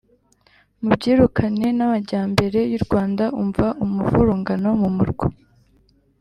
Mubyirukane n'amajyambere y'u RwandaUmva umuvurungano mu murwa